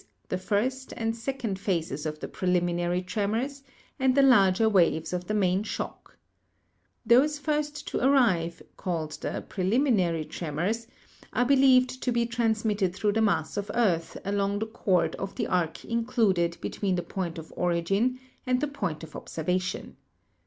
the 1st and 2d phases of the preliminary tremors, and the larger waves of the main shock. Those first to arrive, called the preliminary tre Fig. 13 — Earthquake Areas in the Eastern Hemisphere. mors, are believed to be transmitted through the mass of earth along the chord of the arc included between the point of origin and the point of observation.